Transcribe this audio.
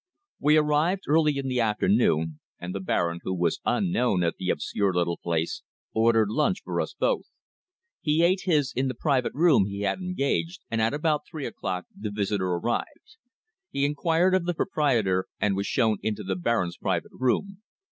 We arrived early in the afternoon, and the Baron, who was unknown at the obscure little place, ordered lunch for us both. He ate his in the private room he had engaged, and at about three o'clock the visitor arrived. He inquired of the proprietor and was shown into the Baron's private room.